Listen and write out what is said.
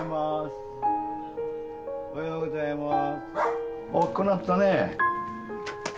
おはようございます。